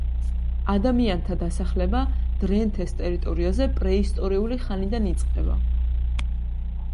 ადამიანთა დასახლება დრენთეს ტერიტორიაზე პრეისტორიული ხანიდან იწყება.